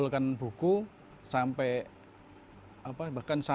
dan lain sebuah konon sebuah tekunis pekerjaan perdua rsep posible di indonesia